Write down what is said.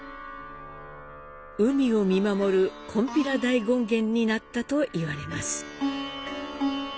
海を見守る金毘羅大権現になったといわれます。